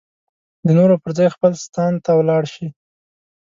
د نورو پر ځای خپل ستان ته ولاړ شي.